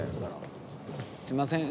すいません。